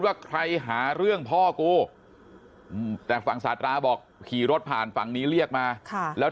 ว่าใครหาเรื่องพ่อกูแต่ฝั่งสาธาราบอกขี่รถผ่านฝั่งนี้เรียกมาแล้ว